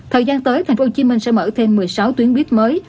thời gian tới tp hcm sẽ mở thêm một mươi sáu tuyến buýt mới